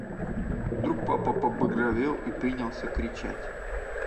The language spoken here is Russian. Вдруг папа побагровел и принялся кричать.